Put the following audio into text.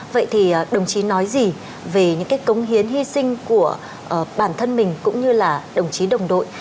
vậy thì đồng chí nói gì về những cái cống hiến hy sinh của bản thân mình cũng như là đồng chí đồng đội